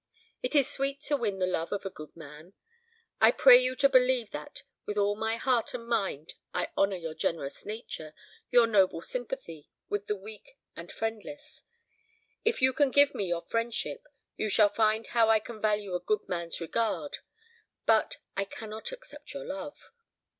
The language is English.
It is sweet to win the love of a good man. I pray you to believe that with all my heart and mind I honour your generous nature, your noble sympathy with the weak and friendless. If you can give me your friendship, you shall find how I can value a good man's regard, but I cannot accept your love."